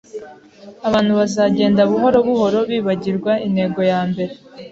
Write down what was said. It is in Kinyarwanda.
Abantu bazagenda buhoro buhoro bibagirwa intego yambere.